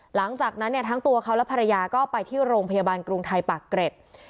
หลังจากนั้นเนี่ยทั้งตัวเขาและภรรยาก็ไปที่โรงพยาบาลกรุงไทยปากเกร็ด